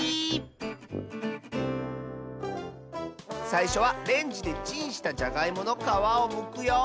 さいしょはレンジでチンしたじゃがいものかわをむくよ。